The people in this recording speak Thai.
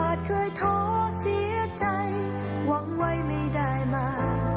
เคยท้อเสียใจหวังไว้ไม่ได้มา